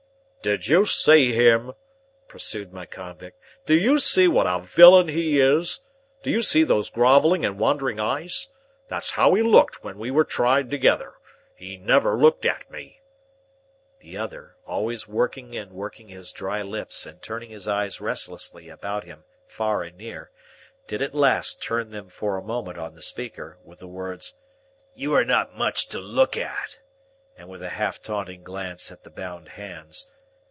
"Do you see him?" pursued my convict. "Do you see what a villain he is? Do you see those grovelling and wandering eyes? That's how he looked when we were tried together. He never looked at me." The other, always working and working his dry lips and turning his eyes restlessly about him far and near, did at last turn them for a moment on the speaker, with the words, "You are not much to look at," and with a half taunting glance at the bound hands.